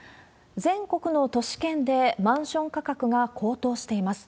全国の都市圏でマンション価格が高騰しています。